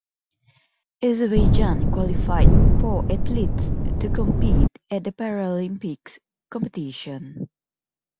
Azerbaijan qualified four athletes to compete at the Paralympics competition.